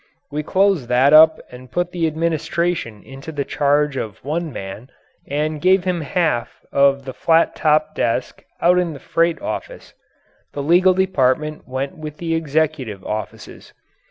We closed that up and put the administration into the charge of one man and gave him half of the flat topped desk out in the freight office. The legal department went with the executive offices.